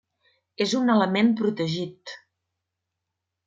És un element protegit.